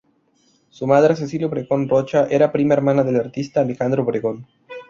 Su madre, Cecilia Obregón Rocha, era prima hermana del artista Alejandro Obregón.